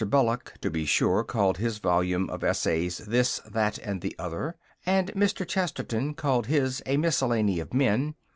Belloc, to be sure, called his volume of essays This, That, and the Other, and Mr. Chesterton called his _A Miscellany of Men.